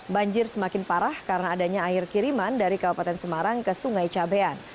banjir semakin parah karena adanya air kiriman dari kabupaten semarang ke sungai cabean